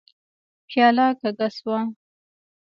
پياله کږه شوه.